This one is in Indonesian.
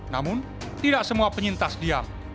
namun tidak semua penyintas diam